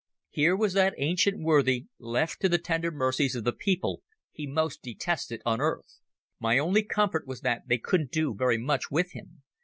Here was that ancient worthy left to the tender mercies of the people he most detested on earth. My only comfort was that they couldn't do very much with him.